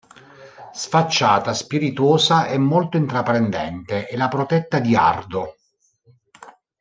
Sfacciata, spiritosa e molto intraprendente, è la protetta di Ardo.